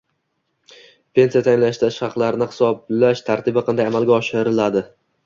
Pensiya tayinlashda ish haqlarini hisoblash tartibi qanday amalga oshiriladi?